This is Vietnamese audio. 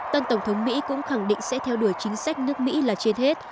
tân tổng thống mỹ cũng khẳng định sẽ theo đuổi chính sách nước mỹ là trên hết